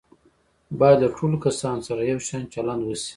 باید له ټولو کسانو سره یو شان چلند وشي.